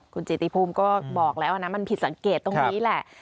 คุณจิตติภูมิก็บอกแล้วนะมันผิดสังเกตตรงนี้แหละ